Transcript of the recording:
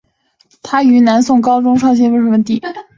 他于南宋高宗绍兴二十四年甲戌科武状元登第。